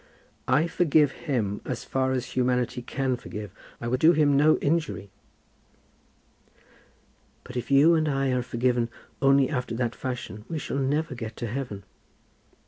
"I forgive him as far as humanity can forgive. I would do him no injury." "But if you and I are forgiven only after that fashion we shall never get to heaven."